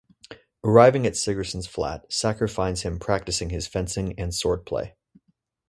Arriving at Sigerson's flat, Sacker finds him practicing his fencing and swordplay.